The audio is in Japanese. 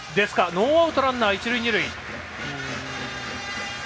ノーアウト、ランナー、一塁二塁。